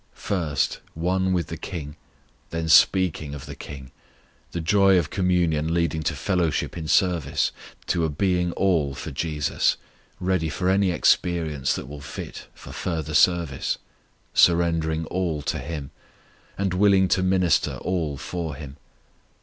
First, one with the KING, then speaking of the KING; the joy of communion leading to fellowship in service, to a being all for JESUS, ready for any experience that will fit for further service, surrendering all to Him, and willing to minister all for Him.